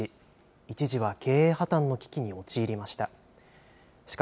一時は経営破綻の危機に陥りました。